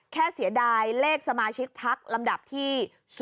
เสียดายเลขสมาชิกพักลำดับที่๐